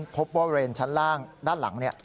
บริเวณชั้นล่างด้านหลังเนี่ย